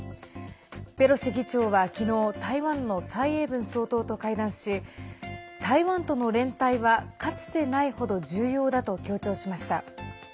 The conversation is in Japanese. ペロシ議長は昨日台湾の蔡英文総統と会談し台湾との連帯は、かつてない程重要だと強調しました。